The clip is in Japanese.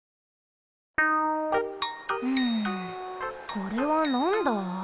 これはなんだ？